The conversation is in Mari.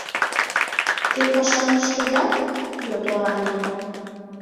— Те пашам ыштеда? — йодо Аня.